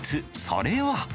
それは。